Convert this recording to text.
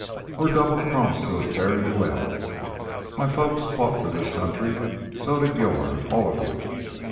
We're double crossed to a fare you well. My folks fought for this country. So did yourn, all of you.